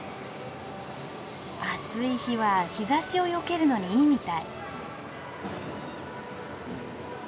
暑い日は日ざしをよけるのにいいみたい。